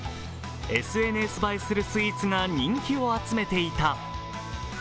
ＳＮＳ映えするスイーツが人気を集めていた。